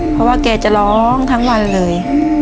เพราะว่าแกจะร้องทั้งวันเลย